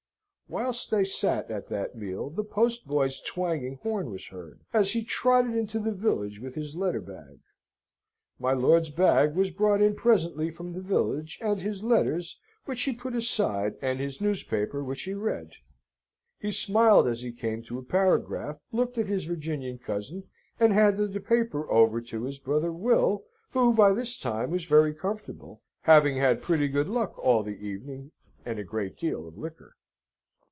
Whilst they sate at that meal, the postboy's twanging horn was heard, as he trotted into the village with his letter bag. My lord's bag was brought in presently from the village, and his letters, which he put aside, and his newspaper which he read. He smiled as he came to a paragraph, looked at his Virginian cousin, and handed the paper over to his brother Will, who by this time was very comfortable, having had pretty good luck all the evening, and a great deal of liquor.